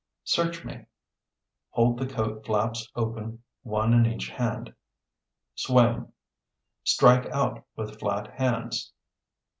Search me (Hold the coat flaps open, one in each hand). Swim (Strike out with flat hands).